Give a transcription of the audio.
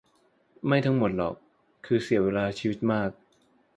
ไม่ทั้งหมดหรอก คือเสียเวลาชีวิตมาก